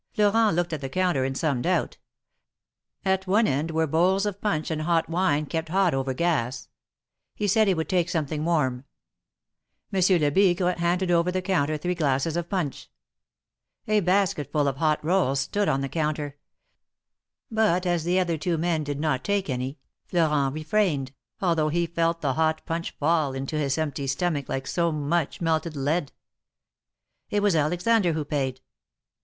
Florent looked at the counter in some doubt. At one end were bowls of punch and hot wine ke])t hot over gas. He said he would take something warm. Monsieur 44 THE MARKETS OF PARIS. Lebigre handed over the counter three glasses of punch. A basketful of hot rolls stood on the counter ; but as the other two men did not take any, Florent refrained, al though he felt the hot punch fall into his empty stomach like so much melted lead. It was Alexander who paid.